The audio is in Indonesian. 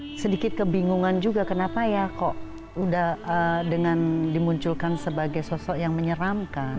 ada sedikit kebingungan juga kenapa ya kok udah dengan dimunculkan sebagai sosok yang menyeramkan